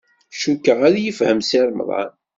Cukkeɣ ad yefhem Si Remḍan.